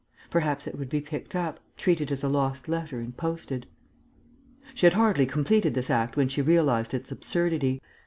Perhaps it would be picked up, treated as a lost letter and posted. She had hardly completed this act when she realized its absurdity.